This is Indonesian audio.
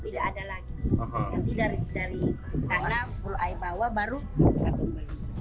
jadi dari sana pulau ai bawa baru dapat beli